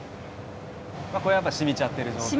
これはやっぱ染みちゃってる状態。